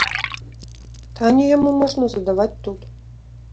Пытанні яму можна задаваць тут.